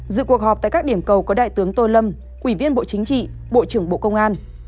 dự cuộc họp tại các điểm cầu có đại tướng tô lâm ủy viên bộ chính trị bộ trưởng bộ công an